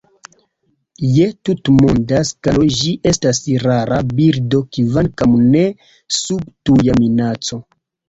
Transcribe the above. Je tutmonda skalo ĝi estas rara birdo, kvankam ne sub tuja minaco.